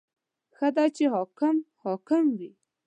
• ښه ده چې حاکم حاکم وي.